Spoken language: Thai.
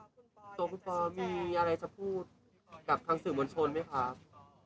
ตัวคุณปอมีอะไรจะพูดกับทางสื่อมวลชนไหมครับ